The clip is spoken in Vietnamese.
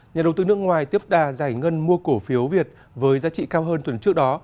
nhà đầu tư nước ngoài tiếp đà giải ngân mua cổ phiếu việt với giá trị cao hơn tuần trước đó